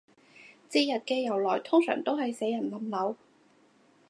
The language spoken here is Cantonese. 節日嘅由來通常都係死人冧樓